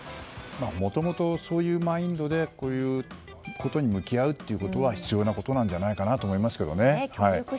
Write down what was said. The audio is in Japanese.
もともと、そういうマインドでこういうことに向き合うことが必要なことなんじゃないかと思いますけどね。